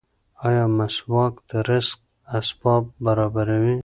ایا مسواک د رزق اسباب برابروي؟